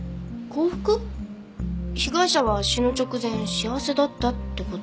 被害者は死ぬ直前幸せだったって事？